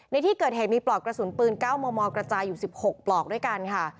ในที่เกิดเหตุมีปลอกกระสุนปืน๙มมกระจายอยู่๑๖ปลอกด้วยกันค่ะ